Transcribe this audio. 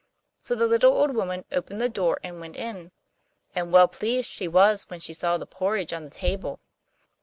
So the little old woman opened the door and went in; and well pleased she was when she saw the porridge on the table.